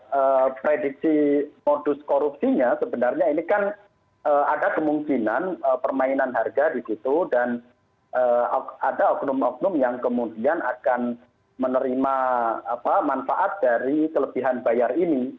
jadi kalau prediksi modus korupsinya sebenarnya ini kan ada kemungkinan permainan harga di situ dan ada oknum oknum yang kemudian akan menerima manfaat dari kelebihan bayar ini